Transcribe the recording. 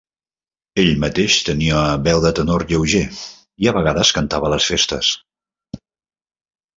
Ell mateix tenia veu de tenor lleuger i a vegades cantava a les festes.